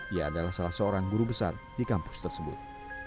ia adalah salah seorang guru besar di kampus tersebut